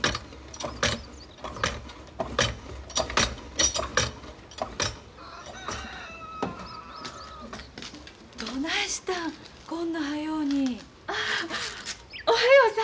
ああおはようさん。